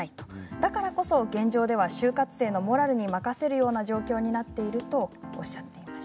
だからこそ現状では就活生のモラルに任せるような状況になっているとおっしゃっていました。